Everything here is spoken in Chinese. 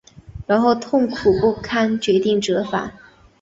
然后痛苦不堪决定折返